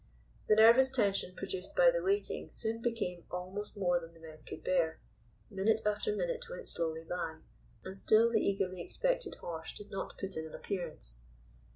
The nervous tension produced by the waiting soon became almost more than the men could bear. Minute after minute went slowly by, and still the eagerly expected horse did not put in an appearance.